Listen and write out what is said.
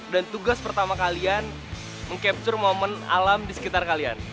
dan tugas pertama kalian mengcapture momen alam di sekitar kalian